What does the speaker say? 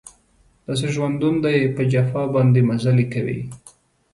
داسې ژوندون دی په جفا باندې مزلې کوي